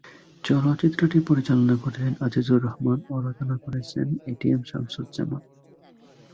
চলচ্চিত্রটি পরিচালনা করেছেন আজিজুর রহমান ও রচনা করেছেন এটিএম শামসুজ্জামান।